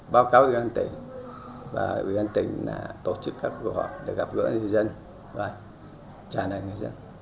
báo cáo ủy ban tỉnh và ủy ban tỉnh tổ chức các cuộc họp để gặp gỡ người dân và trả lời người dân